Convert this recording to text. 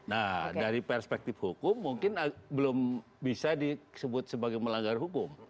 nah dari perspektif hukum mungkin belum bisa disebut sebagai melanggar hukum